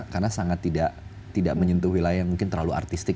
karena sangat tidak menyentuh wilayah yang mungkin terlalu artistik